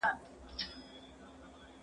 زه اوس د کتابتون د کار مرسته کوم!.